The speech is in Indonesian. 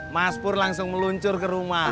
mas pur langsung meluncur ke rumah